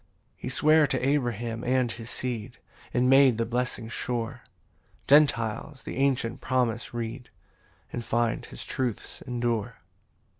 3 He sware to Abraham and his seed, And made the blessing sure: Gentiles the ancient promise read, And find his truths endure.